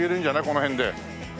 この辺で。